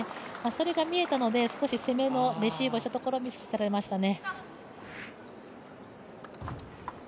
それが見えたので、少し攻めのレシーブをしたところ、ミスされましたね。